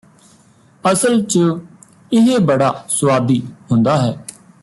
ਅਸਲ ਚ ਇਹ ਬੜਾ ਸੁਆਦੀ ਹੁੰਦਾ ਹੈ